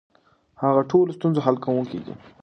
هغه د ټولو ستونزو حل کونکی دی.